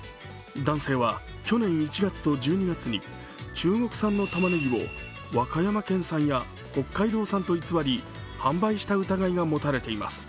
男性は去年１月と１２月に中国産のたまねぎを和歌山県産や北海道産と偽り、販売した疑いが持たれています。